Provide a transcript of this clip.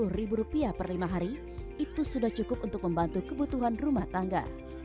rp sepuluh per lima hari itu sudah cukup untuk membantu kebutuhan rumah tangga